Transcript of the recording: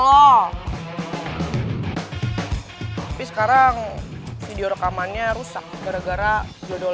tapi sekarang video rekamannya rusak gara gara jodoh lo itu jatuh ke dalamnya